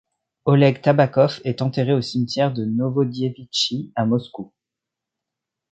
Oleg Tabakov est enterré au cimetière de Novodievitchi à Moscou.